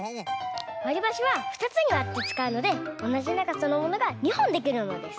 わりばしはふたつにわってつかうのでおなじながさのものが２ほんできるのです。